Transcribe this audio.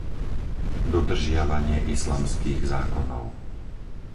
dodržiavanie islamských zákonov